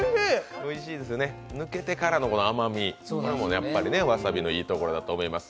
抜けてからの甘み、これもわさびのいいところだと思います。